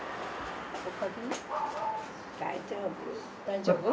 大丈夫。